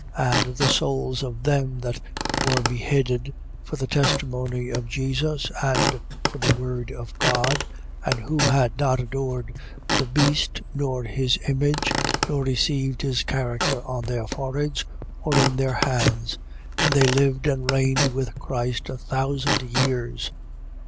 And the souls of them that were beheaded for the testimony of Jesus and for the word of God and who had not adored the beast nor his image nor received his character on their foreheads or in their hands. And they lived and reigned with Christ a thousand years.